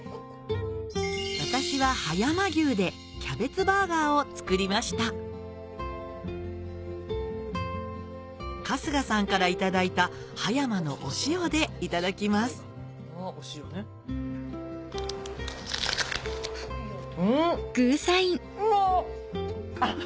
私は葉山牛でキャベツバーガーを作りました春日さんから頂いた葉山のお塩でいただきますんっ！